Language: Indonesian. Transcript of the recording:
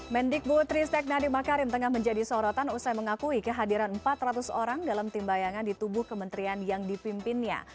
mendik bu tristek nadi makarin tengah menjadi sorotan usai mengakui kehadiran empat ratus orang dalam tim bayangan di tubuh kementerian yang dipimpinnya